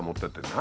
何？